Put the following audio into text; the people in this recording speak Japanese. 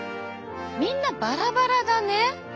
みんなバラバラだね。